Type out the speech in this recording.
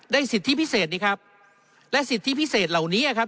สิทธิพิเศษนี่ครับและสิทธิพิเศษเหล่านี้ครับ